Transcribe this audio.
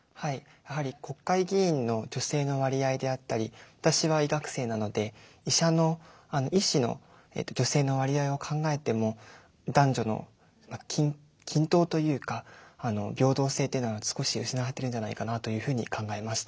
やはり国会議員の女性の割合であったり私は医学生なので医師の女性の割合を考えても男女の均等というか平等性というのが少し失われてるんじゃないかなというふうに考えました。